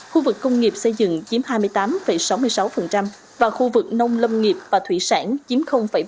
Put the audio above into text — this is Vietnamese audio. khu vực công nghiệp xây dựng chiếm hai mươi tám sáu mươi sáu và khu vực nông lâm nghiệp và thủy sản chiếm ba mươi